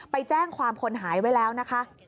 ไปแจ้งความคนหายไว้แล้วนะคะ